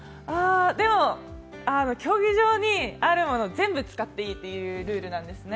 でも、競技場にあるもの全部使っていいっていうルールなんですね。